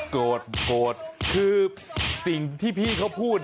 โกรธโกรธคือสิ่งที่พี่เขาพูด